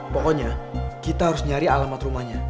pokoknya kita harus nyari alamat rumahnya